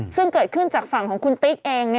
ซึ่งเกิดขึ้นจากฝั่งของคุณติ๊กเอง